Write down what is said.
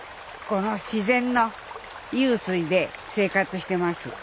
この自然の湧水で生活してます。